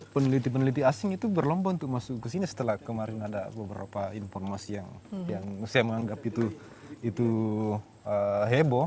peneliti peneliti asing itu berlomba untuk masuk ke sini setelah kemarin ada beberapa informasi yang saya menganggap itu heboh